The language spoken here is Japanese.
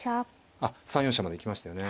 あっ３四飛車まで行きましたよね。